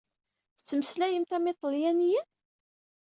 Tettmeslayemt am iṭalyaniyen?